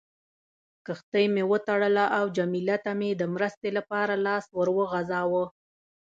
کښتۍ مې وتړله او جميله ته مې د مرستې لپاره لاس ور وغځاوه.